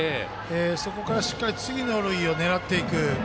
そこから、しっかり次の塁を狙っていく。